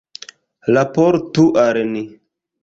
Raportu al ni.